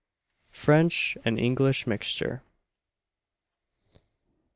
FRENCH AND ENGLISH MIXTURE.